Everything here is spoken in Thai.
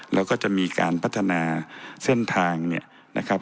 แล้วก็จะมีการพัฒนาเส้นทางเนี่ยนะครับ